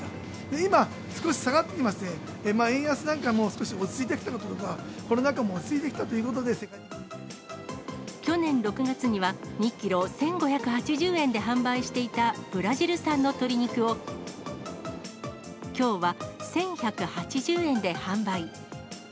今、少し下がってきまして、円安なんかも少し落ち着いてきたとか、コロナ禍も落ち着いてきた去年６月には、２キロ１５８０円で販売していたブラジル産の鶏肉をきょうは１１８０円で販売。